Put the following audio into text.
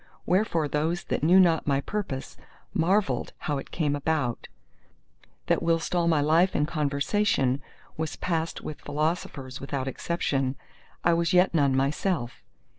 Wherefore those that knew not my purpose marvelled how it came about, that whilst all my life and conversation was passed with philosophers without exception, I was yet none myself.